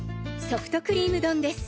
ソフトクリーム丼です。